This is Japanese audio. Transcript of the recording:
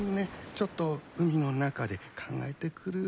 ちょっと海の中で考えてくるよ。